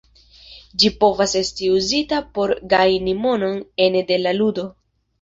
Ĝi povas esti uzita por gajni monon ene de la ludo.